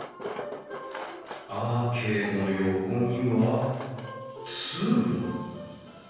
アーケードの横には通路？